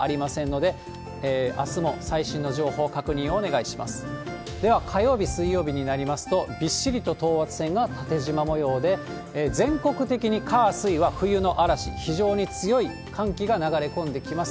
では、火曜日、水曜日になりますと、びっしりと等圧線が縦じま模様で、全国的に火、水は冬の嵐、非常に強い寒気が流れ込んできます。